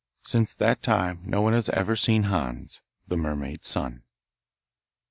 Since that time no one has ever seen Hans, the Mermaid's son.